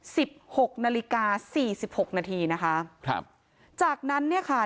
หกนาฬิกาสี่สิบหกนาทีนะคะครับจากนั้นเนี่ยค่ะ